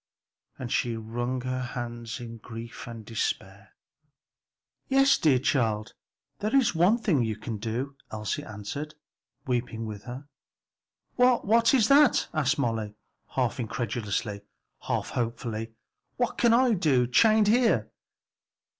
and she wrung her hands in grief and despair. "Yes, dear child; there is one thing you can do," Elsie answered, weeping with her. "What, what is that?" asked Molly, half incredulously, half hopefully, "what can I do chained here?"